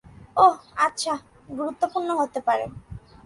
ওহ, আচ্ছা, গুরুত্বপূর্ণ হতে পারে।